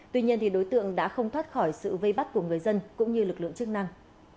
tuy nhiên đối tượng đã không thoát khỏi sự vây bắt của người dân cũng như lực lượng chức năng